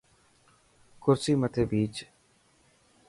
ڪرسي مٿي ڀيچ.